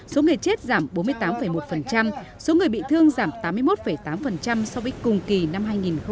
số người chết giảm bốn mươi tám một số người bị thương giảm tám mươi một tám so với cùng kỳ năm hai nghìn một mươi chín